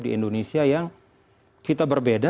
di indonesia yang kita berbeda